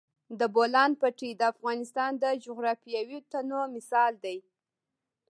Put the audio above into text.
د بولان پټي د افغانستان د جغرافیوي تنوع مثال دی.